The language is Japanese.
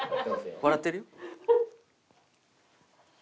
笑ってるよ。